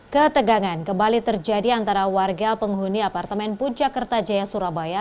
ketegangan kembali terjadi antara warga penghuni apartemen puncak kertajaya surabaya